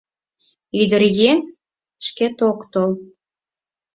— Ӱдыръеҥ шкет ок тол.